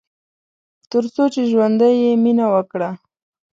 تر څو چې ژوندی يې ، مينه وکړه